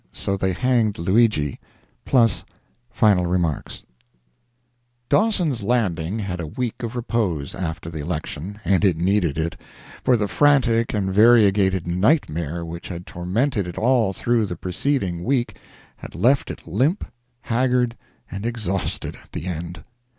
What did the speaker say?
SO THEY HANGED LUIGI Dawson's Landing had a week of repose, after the election, and it needed it, for the frantic and variegated nightmare which had tormented it all through the preceding week had left it limp, haggard, and exhausted at the end.